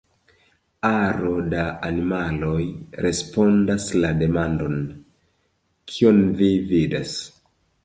Aro da animaloj respondas la demandon "kion vi vidas?